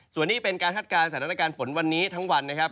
ส่วนนี้เป็นการคาดการณ์สถานการณ์ฝนวันนี้ทั้งวันนะครับ